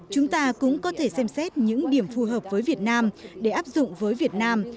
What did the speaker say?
chúng ta cũng có thể xem xét những điểm phù hợp với việt nam để áp dụng với việt nam